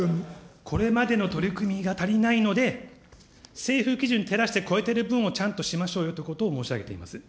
これまでの取り組みが足りないので、政府基準に照らして超えてる分をちゃんとしましょうよということを申し上げています。